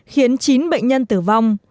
khiến chín bệnh nhân tử vong